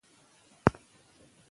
که عملي کار سوی و، شک به نه و پاتې.